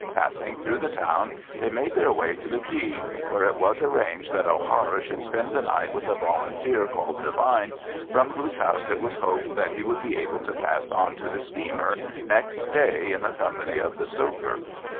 Passing through the town they made their way to the quay, where it was arranged that O'Hara should spend the night with a Volunteer called Devine, from whose house it was hoped that he would be able to pass on to the steamer next day in the company of the stoker.